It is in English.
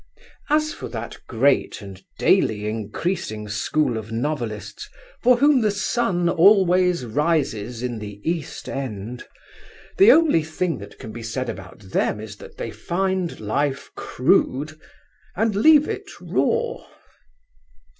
As for that great and daily increasing school of novelists for whom the sun always rises in the East End, the only thing that can be said about them is that they find life crude, and leave it raw.